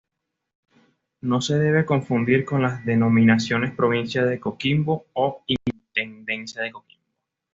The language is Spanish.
No se debe confundir con las denominaciones "Provincia de Coquimbo" o "Intendencia de Coquimbo".